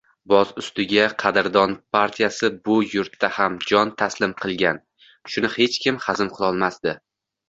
Boz ustiga qadrdon partiyasi bu yurtda ham jon taslim qilgan, shuni hech xazm qilolmasdi